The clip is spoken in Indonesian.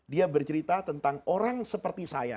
dia bercerita tentang orang seperti saya